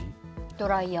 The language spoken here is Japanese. ドライヤー。